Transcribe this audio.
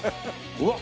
うわっ！